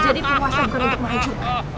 aku akan menghentikanmu